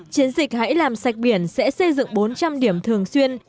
chiến dịch hãy làm sạch biển sẽ xây dựng bốn trăm linh điểm thường xuyên